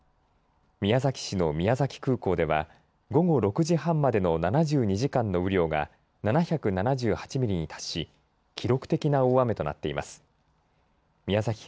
宮崎市の宮崎空港では午後６時半までの７２時間の雨量が７７８ミリに達し記録的な大雨となっています。